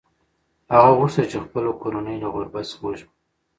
هغه غوښتل چې خپله کورنۍ له غربت څخه وژغوري.